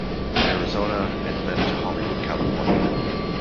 Arizona and then to Hollywood California.